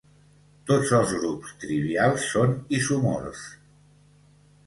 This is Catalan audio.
Tots els grups trivials són isomorfs.